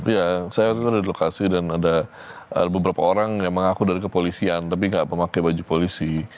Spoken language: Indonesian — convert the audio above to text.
ya saya waktu itu ada di lokasi dan ada beberapa orang yang mengaku dari kepolisian tapi tidak memakai baju polisi